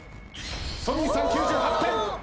ソニンさん９８点。